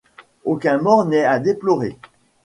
Aucun mort n'est à déplorer.